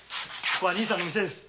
ここは兄さんの店です。